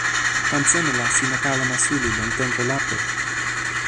tan seme la sina kalama suli lon tenpo lape?